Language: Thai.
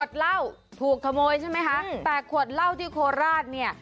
ถูกขโมยใช่ไหมคะแต่ขวดเหล้าที่โคราชเนี่ย